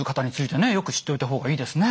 よく知っておいた方がいいですね。